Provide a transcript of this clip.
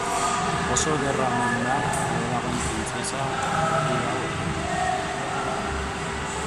Oso ederra omen da lo dagoen printzesa berri hau ere.